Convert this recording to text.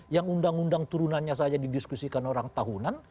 yang undang undang turunannya saja didiskusikan orang tahunan